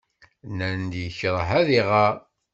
Nnan-d yekṛeh ad iɣer.